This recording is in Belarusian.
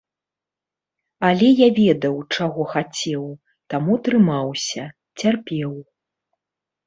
Але я ведаў, чаго хацеў, таму трымаўся, цярпеў.